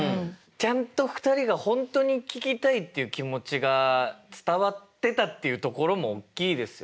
ちゃんと２人が本当に聞きたいっていう気持ちが伝わってたっていうところもおっきいですよね。